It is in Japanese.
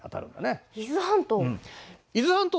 伊豆半島。